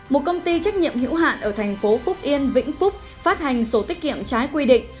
một công ty trách nhiệm hữu hạn ở thành phố phúc yên vĩnh phúc phát hành sổ tiết kiệm trái quy định